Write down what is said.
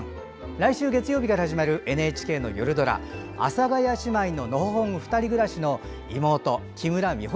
来週月曜日から始まるＮＨＫよるドラ「阿佐ヶ谷姉妹ののほほんふたり暮らし」の妹・木村美穂